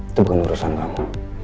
itu bukan urusan kamu